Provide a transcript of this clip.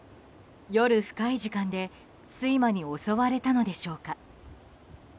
夜深い時間で睡魔に襲われたのでしょうか。